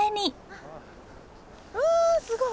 うわすごい！